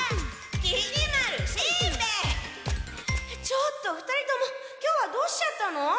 ちょっと２人とも今日はどうしちゃったの？